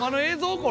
これ。